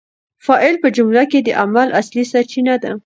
فاعل په جمله کي د عمل اصلي سرچینه ده.